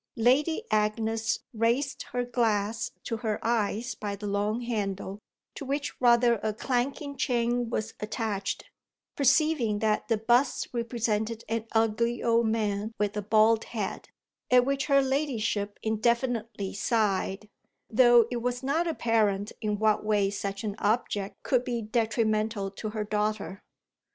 Lady Agnes raised her glass to her eyes by the long handle to which rather a clanking chain was attached, perceiving that the bust represented an ugly old man with a bald head; at which her ladyship indefinitely sighed, though it was not apparent in what way such an object could be detrimental to her daughter.